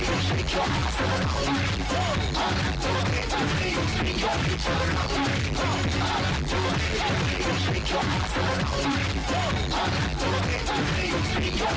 โอ้โหดูแหมมอินไปกับอารมณ์เพลงมากเลย